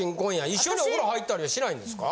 一緒にお風呂入ったりはしないんですか？